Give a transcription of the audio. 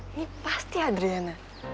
ini pasti adriana